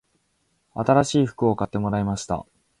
新しい服を買ってもらいました